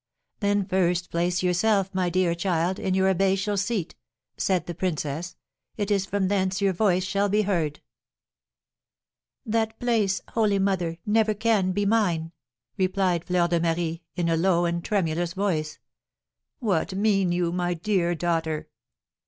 "Then first place yourself, my dear child, in your abbatial seat," said the princess; "it is from thence your voice shall be heard." "That place, holy mother, never can be mine!" replied Fleur de Marie, in a low and tremulous voice. "What mean you, my dear daughter?"